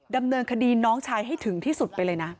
ดำเนินคดีน้องชายให้ถึงที่สุดไปเลยนะ